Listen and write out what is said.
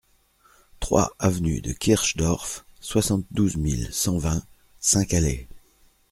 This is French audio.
trois avenue de Kirch Dorf, soixante-douze mille cent vingt Saint-Calais